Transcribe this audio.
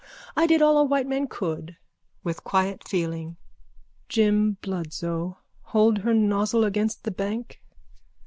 I did all a white man could. (With quiet feeling.) Jim Bludso. Hold her nozzle again the bank.